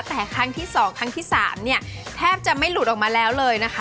แต่ครั้งที่๒ครั้งที่๓เนี่ยแทบจะไม่หลุดออกมาแล้วเลยนะคะ